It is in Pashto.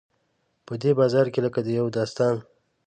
په دې بازار کې لکه د یو داستان.